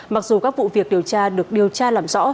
mặc dù các vụ việc điều tra được điều tra làm rõ